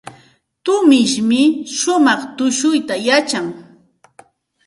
Tumishmi shumaq tushuyta yachan.